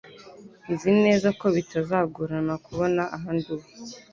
Nzi neza ko bitazagorana kubona ahandi uba.